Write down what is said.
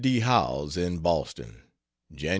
D. Howells; in Boston: Jan.